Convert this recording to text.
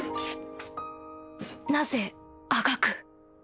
なぜあがく？